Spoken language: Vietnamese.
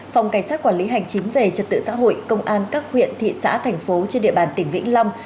phòng cảnh sát quản lý hành chính về trật tự xã hội công an các huyện thị xã thành phố trên địa bàn tỉnh vĩnh long